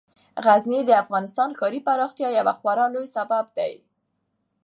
غزني د افغانستان د ښاري پراختیا یو خورا لوی سبب دی.